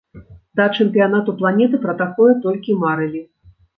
Да чэмпіянату планеты пра такое толькі марылі.